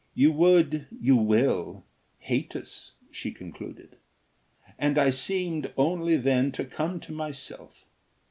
"You would you will hate us," she concluded. And I seemed only then to come to myself.